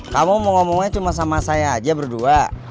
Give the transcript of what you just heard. kamu mau ngomongnya cuma sama saya aja berdua